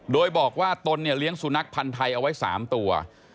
โดยบอกว่าตนเนี่ยเลี้ยงสุนัขพันธ์ไทยเอาไว้๓ตัว